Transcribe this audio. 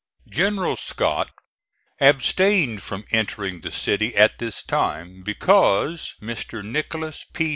General Scott abstained from entering the city at this time, because Mr. Nicholas P.